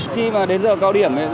khi mà đến giờ cao điểm